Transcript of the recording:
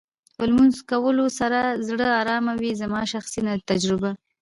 په لمونځ کولو سره زړه ارامه وې زما شخصي تجربه